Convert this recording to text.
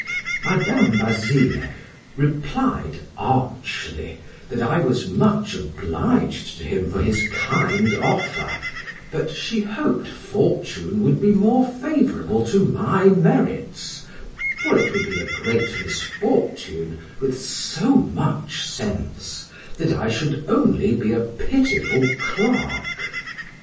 Madam Basile, replied archly, that I was much obliged to him for his kind offer, but she hoped fortune would be more favorable to my merits, for it would be a great misfortune, with so much sense, that I should only be a pitiful clerk.